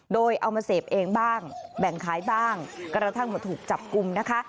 โดยเอามาเสพเองบ้างแบ่งขายบ้างกระทั่งมาถูกจับกลุ่มนะคะ